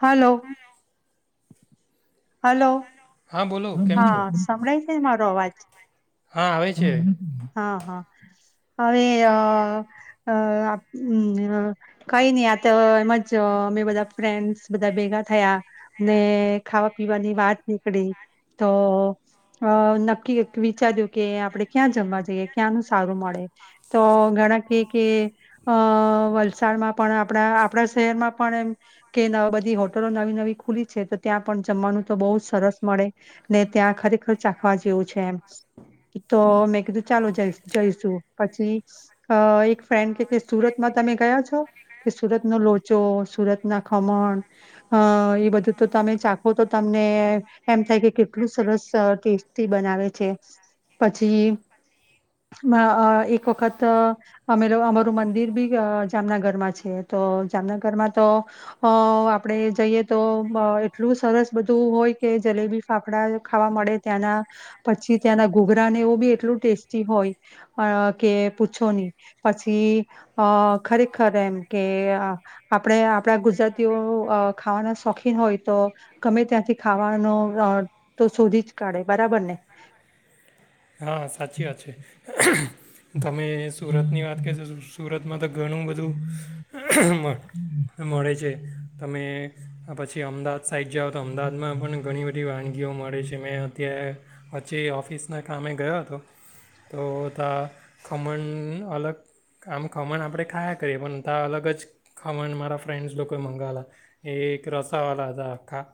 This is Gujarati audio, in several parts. હાલો. હલો હા બોલો કેમ છો હા સંભળાય છે, મારો અવાજ. હા આવે છે હા. હા હવે અ અ આ ઉમ અ કઈ નહી આ તો એમ જ અ અમે બધા ફ્રેન્ડસ બધા ભેગા થયા ને ખાવા પી પીવાની વાત નીકળી તો અ નક્કી વિચાર્યું કે આપણે ક્યાં જમવા જઈએ ક્યાંનું સારું મળે તો ઘણા કે કે અ વલસાડમાં પણ આપણા આપણા શહેરમાં પણ એમ કે બધી હોટલો નવી નવી ખુલી છે તો ત્યાં પણ જમવાનું તો બોઉ જ સરસ મળે ને ત્યાં ખરેખર ચાખવા જેવું છે, એમ તો મેં કીધું ચાલો જઈ-જઈશું પછી એક ફ્રેન્ડ કે કે સુરતમાં તમે ગયા છો કે સુરત નો લોચો સુરત ના ખમણ અ એ બધું તો તમે ચા હું તો તમને એમ થાય કે કેટલું સરસ ટેસ્ટ થી બનાવે છે, પછી આ એક વખત અમે અમારું મંદિર બી જામનગરમાં છે, તો જામનગરમાં તો અ આપડે જઈએ તો એટલું. સરસ બધું હોય કે જલેબી ફાફડા ખાવા મળે ત્યાંના. પછી ત્યાંના ઘુઘરા ને એવું બી એટલું ટેસ્ટી હોય અ કે પૂછો નહી, પછી અ ખરેખર એમ કે આપણે આપણા ગુજરાતીઓ ખાવાના શોખીન હોય તો ગમે ત્યાંથી ખાવાનો આ તો શોધી જ કાઢે બરાબર ને. હા સાચી વાત છે તમે સુરતની વાત કરી તો સુરતમાં તો ઘણું બધું મળે છે તમે પછી અમદાવાદ સાઇટ જઓ તો અમદાવાદમાં પણ ઘણી બધી વાનગીઓ મળે છે ત્યાં પછી ઓફિસના કામે ગયો હતો તો ત્યાં ખમણ અલગ આમ ખમણ આપણે ખાયા કરીએ પણ ત્યા અલગ જ ખમણ મારા ફ્રેન્ડ્સ લોકોએ મગાવેલા એ એક રસાવાલા હતા આખા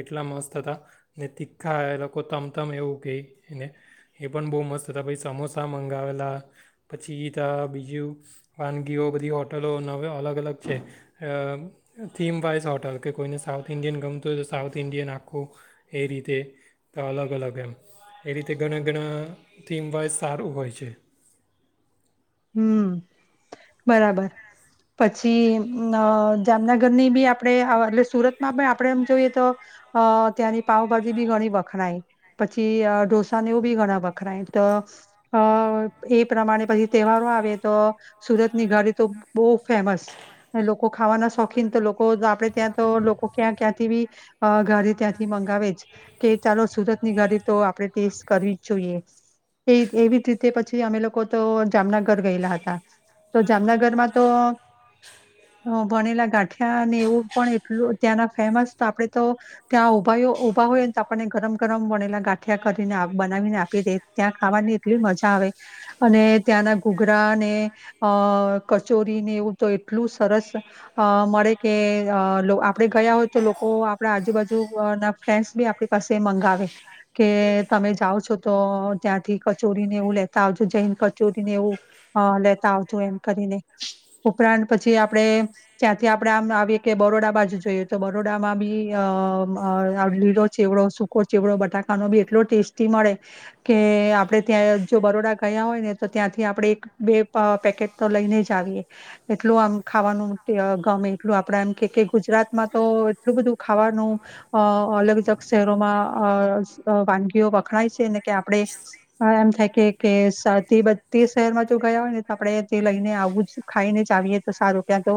એટલા મસ્ત હતા ને ખા લોકો તમ તમ એવું કને એ પણ બહુ મસ્ત હતા પાઈ સમોસા મંગાવેલા પછી ત બીજું વાનગીઓ બધી હોટલો નવે અલગ અલગ છે થીમ પાઇસ હોટલ કે કોઈને સાઉથ ઇન્ડિયન ગમતું હોય તો સાઉથ ઇન્ડિયન આખું એ રીતે તો અલગ અલગ એમ એ રીતે ઘણા ઘણા થીમ વાઈઝ સારું હોય છે હુ બરાબર પછી અમ જામનગરની ભી આપણે એટલે સુરતમાં પણ આપણે એમ જોઈએ તો અ ત્યાંની પાાવભાજી ભી ઘણી વખણાય પછી ઢોસાને એવું ભી ઘણા વખણાય તો અ એ પ્રમાણે પછી તહેવારો આવે તો સુરતની ઘાડી તો બહુ ફેમસ અને લોકો ખાવાના શોખીન તો લોકો આપડે ત્યાં તો લોકો ક્યાં ક્યાંથી બી ઘડી ત્યાંથી મંગાવે જ કે ચાલો સુરત ની ઘાડી તો આપડે ટેસ્ટ કરવી જ જોઈએ એ એવી જ રીતે પછી અમે લોકો તો જામનગર ગયેલા હતા તો જામનગરમાં તો વણેલા ગાંઠિયાને એવું પણ એટલું ત્યાંના ફેમસ તો આપણેે તો ત્યાં ઉભા ભા હોયને તો આપણને ગરમ ગરમ વણેલા ગાંઠિયા કરીને બનાવીને આપી દે ત્યાં ખાવાની એટલી મજા આવે અને ત્યાંના ઘૂઘરા ને અ કચોરીને એવું તો એટલું સરસ અ મળે કે અ આપણે ગયા હોય તો લોકો આપણા આજુબાજુ ના ફ્રેન્ડ્સ ભી આપણી પાસે મંગાવે કે તમે જાઓ છો તો ત્યાંથી કચોરીને એવું લેતા આવજો જૈન ચોરીને એવું અ લેતા આવતું એમ કરીને ઉપરાંત પછી આપણે ત્યાંથી આપડે આમ આવી કે બરોડા બાજુ જોઈએ તો બરોડામાં ભી અ લીલો ચેવડો સૂકો ચેવડો બટાકાનો બી એટલો ટેસ્ટી મળે કે આપડે ત્યાં જો બરોડા ગયા હોય ને તો ત્યાંથી આપણે એક બે પેકેટ તો લઈને જ આવીએ એટલું આમ ખાવાનું ગમે એટલું આપણે એમ કે કે ગુજરાતમાં તો એટલું બધું ખાવાનું અ અલગ અલગ શહેરોમાં વાનગીઓ વખણાય છે ને કે આપણે એમ થાય કે કે તે તે શહેરમાં જો ગયા હોય ને તો આપણે તે લઈને આવું જ ખાઈને જ આવીએ તો સારું ક્યાં તો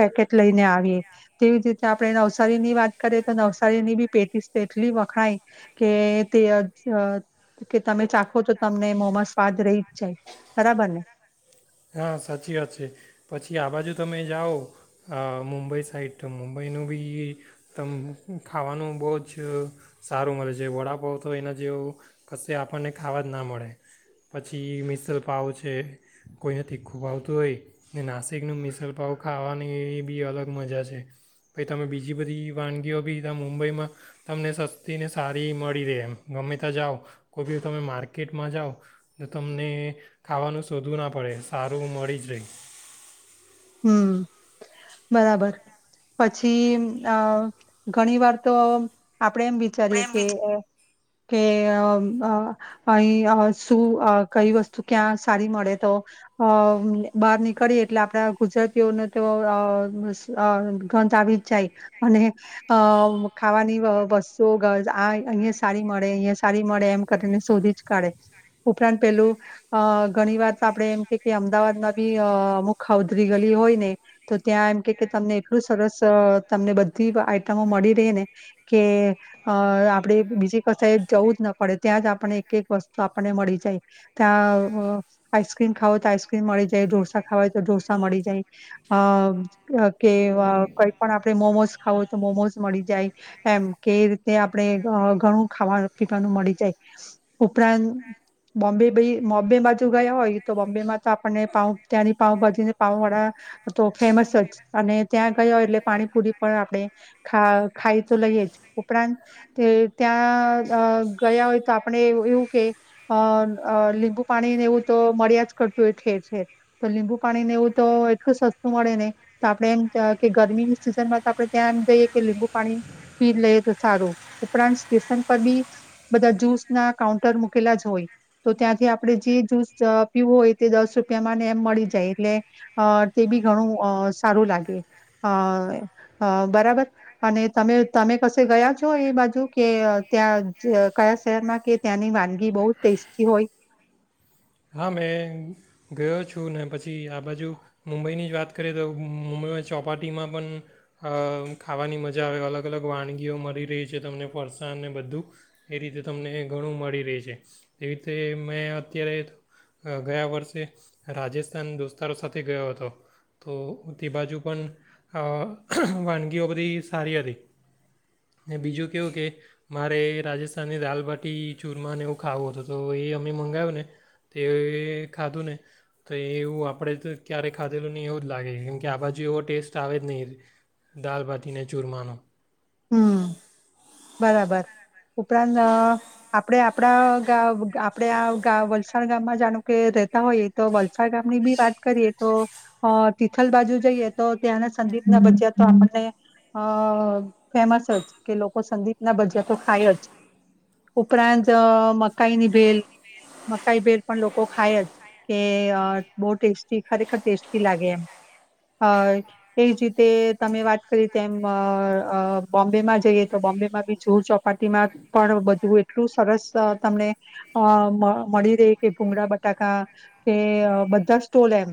પેકેટ લઈને આવીએ તેવી જ રીતે આપણે નવસારીની વાત કરીએ તો નવસારીની ભી પેટી એટલી વખણાય કે તે કે તમે ચાખો તો તમને મોમાં સ્વાદ રહી બરાબર ને હા સાચી વાત છે પછી આ બાજુ તમે જાઓ મુંબઈ સાઈડ તો મુંબઈનું ભી તમ ખાવાનું બહુ જ સારું મળે છે વડાપાવ તો એના જેવો કશે આપણને ખાવા જ ના મળે પછી મિસલપાવ છે કોઈને તીખું ભાવતું હોય ને નાસિકનું મિસલપાવ ખાવાની એ બી અલગ મજા છે ભછ તમે બીજી બધી વાનગીઓ બી ત્યાં મુંબઈમાં તમને સસ્તી ને સારી મળી રહે એમ ગમે ત્યાં જાઓ કોઈ બી તમે માર્કેટમાં જાઓ તો તમને ખાવાનું શોધું ના આપો પડે સારું મળી જાય હુ બરાબર પછી આ ઘણી વાર તો આપડે એમ વિચારીએ કે કે અહી શું કઈ વસ્તુ ક્યાં સારી મળે તો અ બહાર નીકળી એટલે આપડા ગુજરાતીઓને તો ગંધ આવી જ જાય અને અ ખાવાની વસ્તુઓ આ અહીયા સારી મળે અહીંયા સારી મળે એમ કરીને શોધી જ કાઢે ઉપરાંત પેલું ઘણી વાર આપણે એમ કે કે અમદાવાદમાં બી અમુક ગલી હોય ને તો ત્યાં એમ કે તમને એટલું સરસ તમને બધી મળી રેને કે આપણેે બીજી કશ જવું જ ન પડે ત્યાં જ આપણને એક એક વસ્તુ આપણને મળી જાય ત્યાં આઈસ્ક્રીમ ખાવ હોય તો આઈસ્ક્રીમ મળી જાય ઢોસા ખાવા હોય તો મળી જાય કે કઈ પણ આપણે મોમોઝ ખાવુંય તો મોમો મળી જાય એમ કે રીતે આપણે ઘણું ખાવાનું પીવાનું મળી જાય ઉપરાંત બોમ્બે ભ બોમ્બે બાજુ ગયા હોય તો બોમ્બે માં તો આપણને પાઉ ત્યાંની પાઉભાજીને પાઉ વાડા તો ફેમસ જ અને ત્યાં ગયા હોય એટલે પાણીપુરી પણ આપણે ખાઈ તો લઈએ જ ઉપરાંત તે ત્યાં ગયા હોય તો આપણે એવું કે અ લીંબુ પાણીને એવું તો મળ્યા જ કરતું હોય ઠેર ઠેર તો લીંબુ પાણી ને એવું તો એટલું સસ્તું મળે ને તો આપણે એમ કે ગરમીની સિઝનમાં તો આપણે ત્યાં એમ જઈએ કે લીંબુ પાણી પી લઈએ તો સારું ઉપરાંત સ્ટેશન પર ભીબધા જ્યૂસ ના કાઉન્ટર મૂકેલા જ હોય તો ત્યાંથી આપણે જે જ્યૂસ પીવું હોય તે દસ રૂપિયામાં એમ મળી જાય એટલે અ તે ભી ઘણું અ સારું લાગે અ બરાબર અને તમે તમે કશે ગયા છો એ બાજુ કે ત્યાં કયા શહેરમાં કે ત્યાંની વાનગી બહ ટેસ્ટી હોય હા મેં ગયો છું ને પછી આ બાજુ મુંબઈની જ વાત કરીએ તો મુંબઈમાં ચોપાટીમાં પણ ખાવાની મજા આવે અલગ અલગ વાણી વાનગીઓ મળી રહી છે તમને ફરસાણ અને બધું એ રીતે તમને ઘણું મળી રહે છે એ રીતે મેં અત્યારે ગયા વર્ષે રાજસ્થાન દોસ્તારો સાથે ગયો હતો તો તે બાજુ પણ વાનગીઓ બધી સારી હતી બીજું કેવું કે મારે રાજસ્થાનની દાલબાટી ચૂરમાને એવું ખાવું હતોું તો એ અમે મંગાવ્યું ને તે ખાધું ને તો એવું આપણે તો ક્યારેય ખાધેલું નહીં એવું જ લાગે કેમ કે આ બાજુ એવો ટેસ્ટ આવે જ નહીં દાલબાટીને ચૂરમાનો હુ બરાબર ઉપરાંત આપડે આપડા ગાવ આપણે આ વલસાડ ગામમાં જાણો કે રેતા હોઈએ તો વલસાડ ગામની ભી વાત કરીએ તો તિથલ બાજુ જઈએ તો ત્યાંના સંદીપ ના ભજિયા તો આપણને અ ફેમસ જ કે લોકો કો સંદીપના ભજયા તો ખાય જ ઉપરાંત મકાઈની ભેલ મકાઈ ભેલ પણ લોકો ખાય જ કે બહુ ટેસ્ટી ખરેખર ટેસ્ટી લાગે એમ એજ રીતે તમે વાત કરી તેમ બોમ્બેમાં જઈએ તો બોમ્બેમાં બી જુ ચોપાટીમાં પણ બધું એટલું સરસ તમને અ મ મળી રહે કે ભૂંગળા બટાકા કે બધા સ્ટોલ એમ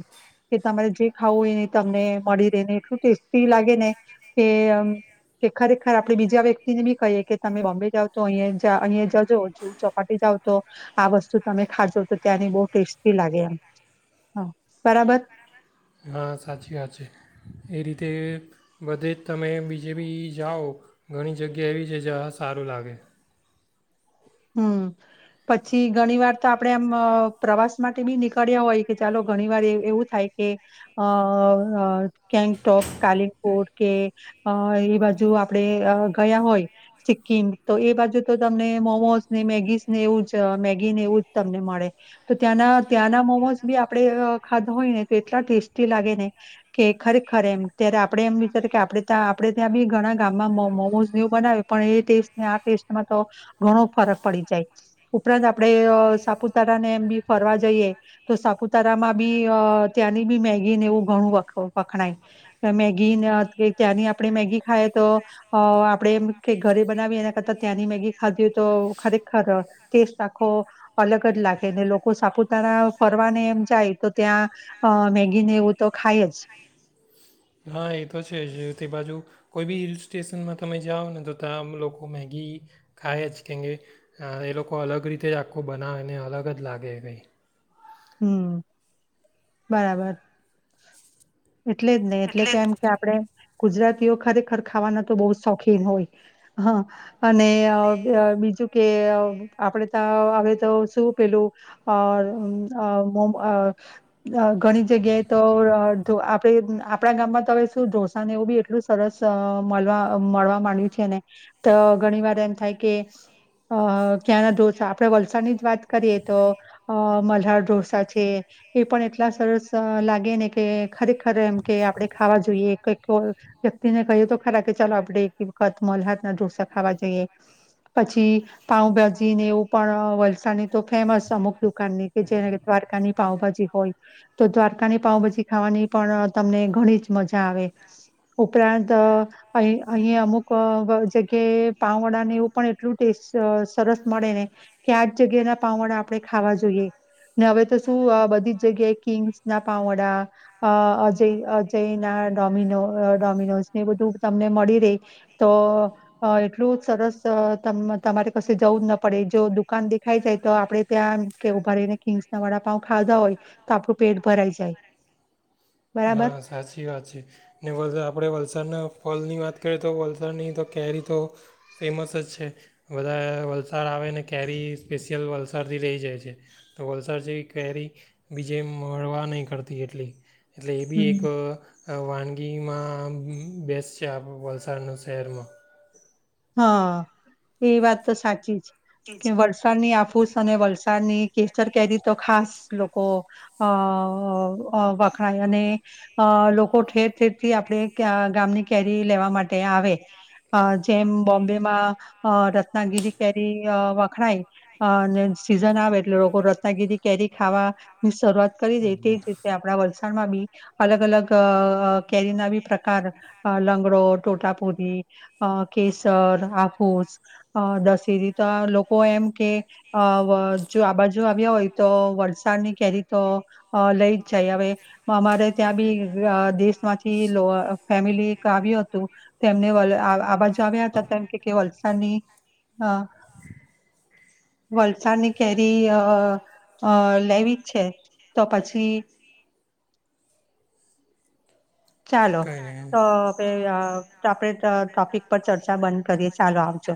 કે તમારે જે ખાવું હોય એ તમને મળી રહે ને એટલું ટેસ્ટી લાગે ને કે ખરેખર આપને બીજે હવે વ્યક્તિને બી કહીએ કે તમે બોમ્બે જાઓ છો તો અ અહી જજો જ ચોપાટી જાવ તો આ વસ્તુ તમે ખાજો તો ત્યાંની બહુ ટેસ્ટી લાગે એમ બરાબર હા સાચી વાત છે એ રીતે બધે જ તમે બીજે બી જાઓ ઘણી જગ્યા એવી છે જયાં સારું લાગે હમ પછી ગણી વાર તો આપડે આમ પ્રવાસ માટે બી નીકળ્યા હોય કે ચાલો ઘણી વાર એવું થાય કે અ કેંગટોક કાલિપોટ કે અ એ બાજુ આપડે ગયા હોય સિક્કિમ તો એ બાજુ તો તમને મોમોસ ને મેગીસ ને એવું જ મેગી ને એવું જ તમને મળે તો ત્યાંના ત્યાંના મોમોઝ બી આપડે ખાધા હોય ને તો એટલા ટેસ્ટી લાગે ને કે ખરેખર એમ ત્યારે આપણેે એમ વિચારે કે આપ ત્યાં આપણે ત્યાં બી ઘણા ગામમાં મોમોઝ ને એવું બનાવે પણ એ ટેસ્ટને આ ટેસ્ટમાં તો ઘણો ફરક પડિ જાય ઉપરાંત આપડે સાપુતારા ને એમ બી ફરવા જઈએ તો સાપુતારામાં બી ત્યાંની બી મેગીને એવું ઘણું વખણાય મેગીને ત્યાંની આપણે મેગી ખાઈએ તો અ આપણેે એમ ઘરે બનાવી એને કરતા ત્યાંની મેગી ખાધી હો તો ખરેખર ટેસ્ટ આખો અલગ જ લાગેને લોકો સાપુતારા ફરવાને એમ જાય તો ત્યાં અ મેગીને એવું તો ખાય જ હા એ તો છે જ. તે બાજુ કોઈ બી હિલ સ્ટેશનમાં તમે જાઓ ને તો ત્યાં લોકો મેગી ખાય જ કેમ કે અહ એ લોકો અલગ રીતે આખો બનાવેને અલગ જ લાગે કઈ હમ્મ બરાબર. એટલેજ ને. એટલે કેમ કે આપડે ગુજરાતીઓ ખરેખર ખાવાના તો બહુ શોખીન હોય. હા અને અહ અહ બીજું કે અહ આપડે તા આવે તો શું પેલું અહ અમ્મ અહ મોમ અહ અહ ઘણી જગ્યાએ તો અહ તો આપણે આપણા ગામમાં તો હવે શું ઢોસાને એવું બી એટલું સરસ અહ મલવા મળવા માંડ્યું છે ને તો ઘણી વાર એમ થાય કે અહ ક્યાંના ઢોસા આપણે વલસાડની જ વાત કરીએ તો અહ મલ્હાર ઢોસા છે. એ પણ એટલા સરસ અહ લાગે ને કે ખરેખર એમ કે આપણે ખાવા જોઈએ કઈ કોલ વ્યક્તિને કહ્યું તો ખરા કે ચાલો આપે એકે વખત મલ હાથના ઢોસા ખાવા જઈએ. પછી પાઉભાજીને એવું પણ વલસાની તો ફેમસ અમુક દુકાનની કે જેને દ્વારકાની પાઉભાજી હોય. તો દ્વારકાની પાઉભાજી ખાવાની પણ તમને ઘણી જ મજા આવે. ઉપરાંત અહ અહી અહીં અમુક અહ જગ્યાએ પાવવડાને એવું પણ એટલું ટેસ્ટ સરસ મળે ને કે આ જ જગ્યા ના પાવવડા આપણે ખાવા જોઈએ ને હવે તો શું અહ બધી જ જગ્યાએ કિંગ્સ ના પાવ વડા અહ અજય અજય ના ડોમિનો ડોમિનોઝ ને બધું તમને મળી રે તો અહ એટલું સરસ અહ તમ-તમારે કસે જવું જ ન પડે. જો દુકાન દેખાઈ જાય તો આપડણે ત્યાં કે ઉભા રહીને કિંગ્સ ના વાળા પાઉ ખાધા હોય તો આપણું પેટ ભરાઈ જાય. બરાબર? હા સાચી વાત છે. ને વજા આપડે વલસાડના ફલ ની વાત કરીએ તો વલસાડની તો કેરી તો ફેમસ જ છે. બધા વલસાડ આવે ને કેરી સ્પેશિયલ વલસાડથી રહી જાય છે. તો વલસાડ જેવી કેરી બીજે મળવા નહીં કરતી એટલી. એટલે એ બી હમ. એક અહ અહ વાનગી એમાં બેસ્ટ છે. આપડું વલસાડ ના શહેરમાં. હા. એ વાત તો સાચી કે વરસાદની આફૂસ અને વલસાડની કેસર કેરી તો ખાસ લોકો અહ અહ અહ વખાણ અને અહ લોકો ઠેર ઠેરથી આપણે ક્યાં ગામની કેરી લેવા માટે આવે. અહ જેમ બોમ્બેમાં અહ રત્નાગીરી કેરી અહ વખણાય અહ ને સીઝન આવે એટલે લોકો રત્નાગીરી કેરી ખાવા ની શરૂઆત કરી દે. તે જ રીતે આપણા વલસાડમાં બી અલગ અલગ તો ઓ કેરી ના બે પ્રકાર અહ લંગડો, ટોટા પૂરી અહ કેસર, હાફુસ, અહ દશેરી. તો આ લોકો એમ કે અ વ જો આ બાજુ આવ્યા હોય તો વલસાડની કેરી તો અહ લઈ જ જાય હવે અમારે ત્યાં બી અહ દેશમાંથી લો અહ ફેમિલી એક આવ્યું હતું તેમને વલ આ બાજુ આવ્યા હતા તો એમ કે કે. વલસાડની અ વલસાની કેરી અ લેવી જ છે તો પછી. ચાલો કઈ નહીં તો આપે ટોપિક પર ચર્ચા બંધ કરીએ ચાલો આવજો.